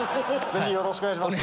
よろしくお願いします。